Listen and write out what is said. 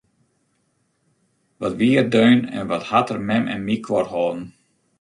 Wat wie er deun en wat hat er mem en my koart holden!